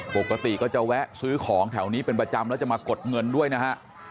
ปกติก็จะแวะซื้อของแถวนี้เป็นประจำแล้วจะมากดเงินด้วยนะฮะ